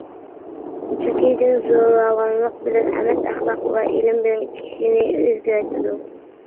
چۈنكى دىن زوراۋانلىق بىلەن ئەمەس ئەخلاق ۋە ئىلىم بىلەن كىشىنى ئۆزگەرتىدۇ.